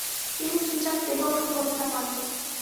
তিনি চুচাক বেগমকে হত্যা করেন।